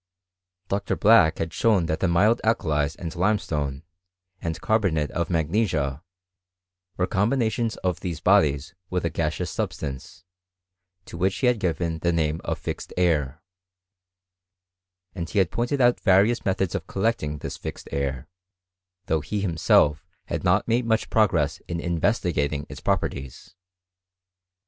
Dr. Blacklitd H shown that the mild alkalies and limestone, and ciir II bonate of magnesia, were combinations of these bodies H with a gaseous substance, to which he had given the p jt2jnt o( _fixed air I and he had pointed out various ll methods of collecting this fixed air ; though he him I * self had not made much progress in investigating Its (• properties.